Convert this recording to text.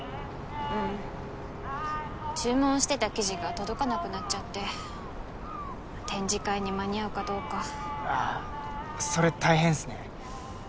うん注文してた生地が届かなくなっちゃって展示会に間に合うかどうかうわあそれ大変っすね